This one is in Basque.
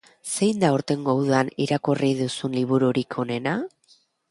Zein da aurtengo udan irakurri duzun libururik onena?